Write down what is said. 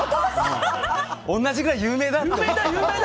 同じぐらい有名だって。